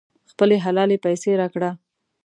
خپلې حلالې پیسې راکړه.